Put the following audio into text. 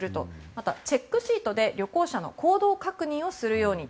また、チェックシートで旅行者の行動確認をするように。